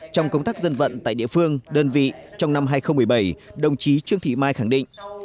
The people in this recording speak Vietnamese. trong công tác dân vận tại địa phương đơn vị trong năm hai nghìn một mươi bảy đồng chí trương thị mai khẳng định